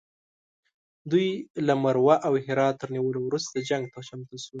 دوی له مرو او هرات تر نیولو وروسته جنګ ته چمتو شول.